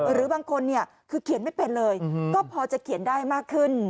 หรือบางคนเนี่ยคือเขียนไม่เป็นเลยก็พอจะเขียนได้มากขึ้น